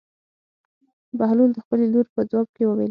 بهلول د خپلې لور په ځواب کې وویل.